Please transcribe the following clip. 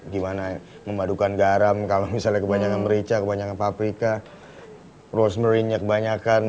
gimana memadukan garam kalau misalnya kebanyakan merica kebanyakan paprika rosemarinnya kebanyakan